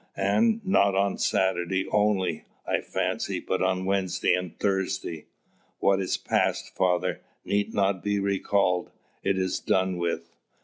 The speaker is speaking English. And not on Saturday only, I fancy, but on Wednesday and Thursday." "What is past, father, need not be recalled; it is done with."